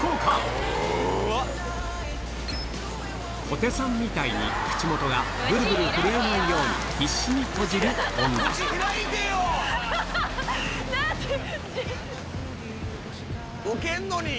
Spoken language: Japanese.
小手さんみたいに口元がブルブル震えないようにウケるのに！